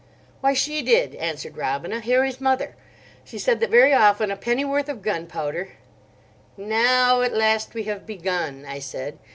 "Why, she did," answered Robina, "Harry's mother. She said that very often a pennyworth of gunpowder—" "Now at last we have begun," I said.